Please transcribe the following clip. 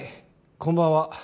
こんばんは。